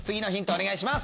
お願いします。